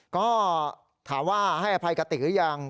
ก็ถามว่าให้อภัยกติกหรือยัง